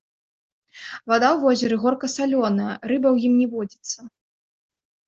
Вада ў возеры горка-салёная, рыба ў ім не водзіцца.